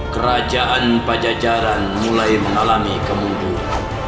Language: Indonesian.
kerajaan pajajaran mulai mengalami kemunduran